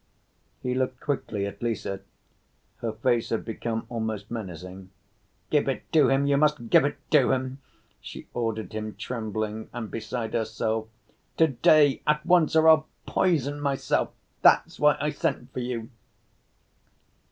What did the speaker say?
He looked quickly at Lise. Her face had become almost menacing. "Give it to him, you must give it to him!" she ordered him, trembling and beside herself. "To‐day, at once, or I'll poison myself! That's why I sent for you."